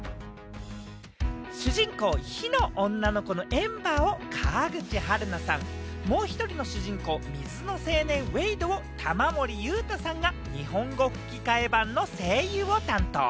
主人公・火の女の子のエンバーを川口春奈さん、もう１人の主人公、水の青年・ウェイドを玉森裕太さんが日本語吹き替え版の声優を担当。